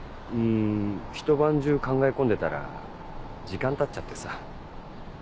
んひと晩中考え込んでたら時間たっちゃってさ。